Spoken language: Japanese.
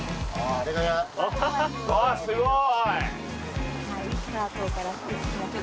あすごい！